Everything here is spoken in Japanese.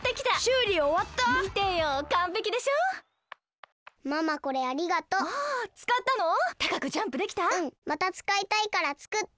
うんまたつかいたいからつくって！